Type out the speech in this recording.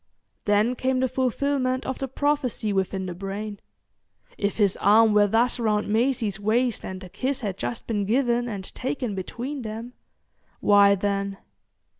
Then came the fulfilment of the prophecy within the brain. If his arm were thus round Maisie's waist and a kiss had just been given and taken between them,—why then...